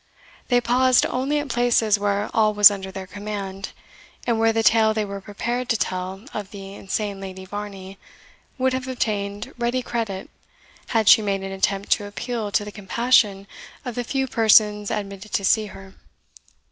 They paused only at places where all was under their command, and where the tale they were prepared to tell of the insane Lady Varney would have obtained ready credit had she made an attempt to appeal to the compassion of the few persons admitted to see her.